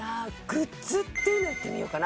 グッズっていうのいってみようかな。